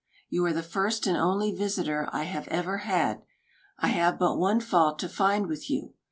You are the first and only visitor I have ever had. I have but one fault to find with you.